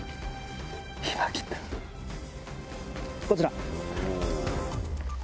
こちら。